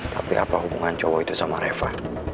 tapi apa hubungan cowok itu sama reva